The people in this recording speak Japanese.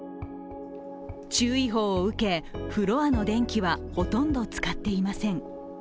注意報を受け、フロアの電気はほとんど使っていません。